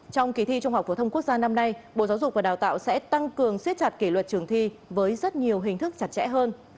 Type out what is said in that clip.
trong kỳ thi trung học phổ thông quốc gia năm nay bộ giáo dục và đào tạo sẽ tăng cường siết chặt kỷ luật trường thi với rất nhiều hình thức chặt chẽ hơn